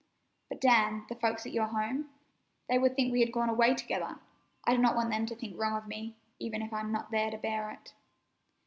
"But, Dan, the folks at your home? They would think we had gone away together! I do not want them to think wrong of me, even if I'm not there to bear it."